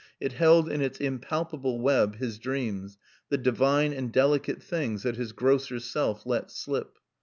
It held in its impalpable web his dreams, the divine and delicate things that his grosser self let slip.